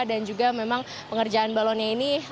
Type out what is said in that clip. dan juga memang pengerjaan balonnya ini